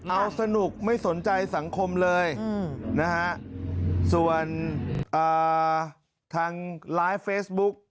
เอาสนุกไม่สนใจสังคมเลยนะฮะส่วนทางไลฟ์เฟซบุ๊ก